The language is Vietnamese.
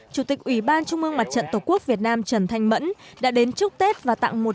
chủ tịch ủy ban trung ương mặt trận tổ quốc việt nam trần thanh mẫn đã đến chúc tết và tặng một trăm linh